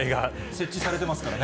設置されてますからね。